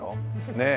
ねえ。